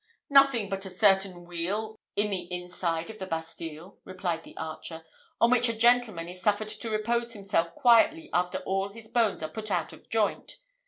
"Nothing but a certain wheel in the inside of the Bastille," replied the archer, "on which a gentleman is suffered to repose himself quietly after all his bones are put out of joint.